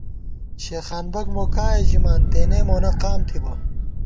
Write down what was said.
شېخانبَک مو کائے ژِمان ، تېنے مونہ قام تھِبہ